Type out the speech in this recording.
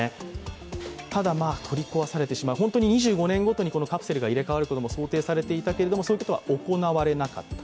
ただ、取り壊されてしまう、本当に２５年ごとにカプセルが入れ替わることも想定されたけどそういうことは行われなかった。